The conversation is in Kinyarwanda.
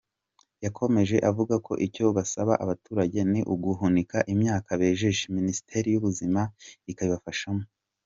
Yakomeje avuga ko icyo basaba abaturage ni uguhunika imyaka bejeje, Minisiteri y’Ubuhinzi ikabibafashamo.